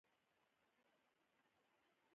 د دې نظریې مخه نیسي.